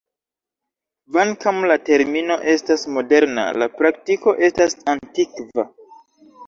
Kvankam la termino estas moderna, la praktiko estas antikva.